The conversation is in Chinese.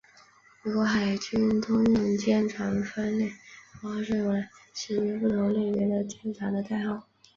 美国海军通用舰船分类符号是用来识别不同类别的舰船的代号。